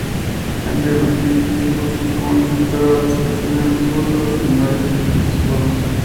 Entre los tipos más comunes está la participación en cursos, seminarios, congresos y foros.